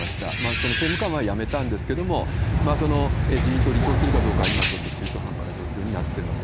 その政務官は辞めたんですけれども、自民党を離党するかどうか、今、ちょっと中途半端な状況になってます。